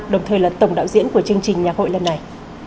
đồng thời là tổng đạo diễn của chương trình nhạc hội lần này